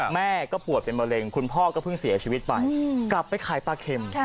แม่ก็ปวดเป็นมะเร็งคุณพ่อก็เพิ่งเสียชีวิตไปกลับไปขายปลาเข็ม